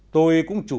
tôi cũng chủ yếu